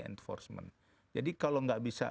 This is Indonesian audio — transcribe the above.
enforcement jadi kalau nggak bisa